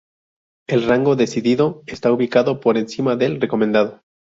El rango "decidido" está ubicado por encima del "recomendado".